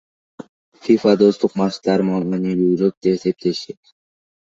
ФИФА достук матчтарын маанилүүрөөк деп эсептешет.